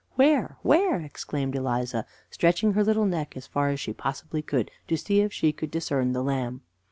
"Where? where?" exclaimed Eliza, stretching her little neck as far as she possibly could, to see if she could discern the lamb.